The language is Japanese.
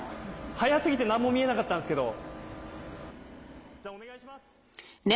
速すぎてなんも見えなかったんですけど。